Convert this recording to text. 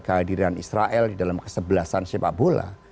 kehadiran israel di dalam kesebelasan sepak bola